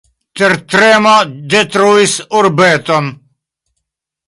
Tertremo detruis urbeton.